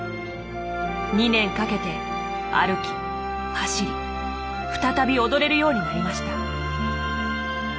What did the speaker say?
２年かけて歩き走り再び踊れるようになりました。